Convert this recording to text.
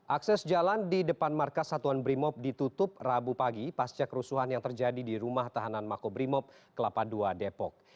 akses jalan di depan markas satuan brimob ditutup rabu pagi pasca kerusuhan yang terjadi di rumah tahanan makobrimob kelapa dua depok